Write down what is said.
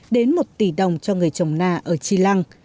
đến một tỷ đồng cho người trồng na ở tri lăng